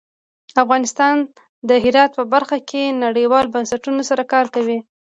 افغانستان د هرات په برخه کې نړیوالو بنسټونو سره کار کوي.